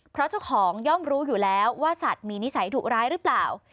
เพราะเจ้าของย่อมรู้อยู่แล้วว่าสัตว์มีนิสัยดุร้ายหรือเปล่า